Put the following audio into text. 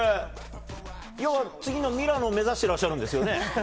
要は、次のミラノを目指してらっしゃるんですよね？